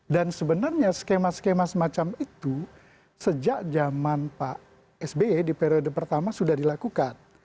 sebenarnya skema skema semacam itu sejak zaman pak sby di periode pertama sudah dilakukan